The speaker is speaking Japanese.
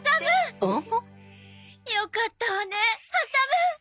よかったわねはさむ。